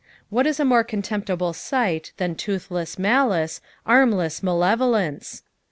What is a more contemptible sight than toothless malice, armless malevolence